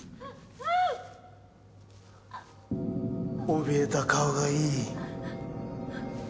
おびえた顔がいい。